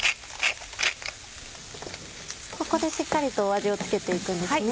ここでしっかりと味を付けて行くんですね。